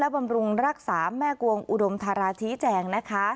และบำรุงรักษาแม่กวงอุดมทาราค่ะ